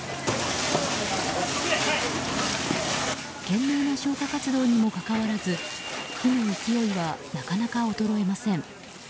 懸命な消火活動にもかかわらず火の勢いはなかなか衰えません。